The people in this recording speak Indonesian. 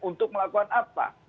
untuk melakukan apa